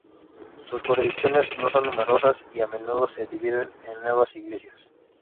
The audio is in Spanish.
Sus jurisdicciones no son numerosas y a menudo se dividen en nuevas iglesias.